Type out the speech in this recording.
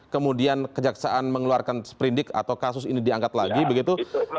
kemudian kejaksaan mengeluarkan seperindik atau kasus ini diangkat lagi begitu